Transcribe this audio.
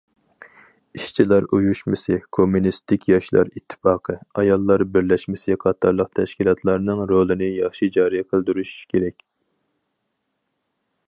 ئىشچىلار ئۇيۇشمىسى، كوممۇنىستىك ياشلار ئىتتىپاقى، ئاياللار بىرلەشمىسى قاتارلىق تەشكىلاتلارنىڭ رولىنى ياخشى جارى قىلدۇرۇش كېرەك.